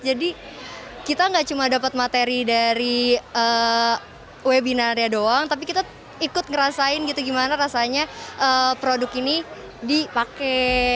jadi kita gak cuma dapet materi dari webinarnya doang tapi kita ikut ngerasain gitu gimana rasanya produk ini dipake